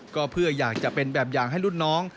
ก็เพื่ออยากจะเป็นแบบอย่างให้รุ่นน้อง